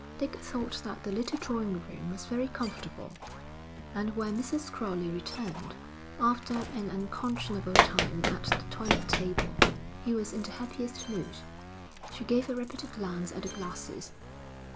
Dick thought that the little drawing room was very comfortable, and when Mrs. Crowley returned, after an unconscionable time at the toilet table, he was in the happiest mood. She gave a rapid glance at the glasses.